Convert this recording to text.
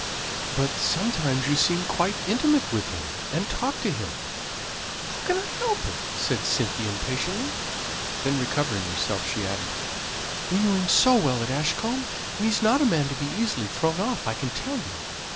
"But sometimes you seem quite intimate with him, and talk to him " "How can I help it?" said Cynthia impatiently. Then recovering herself she added: "We knew him so well at Ashcombe, and he's not a man to be easily thrown off, I can tell you.